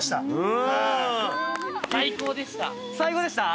最高でした？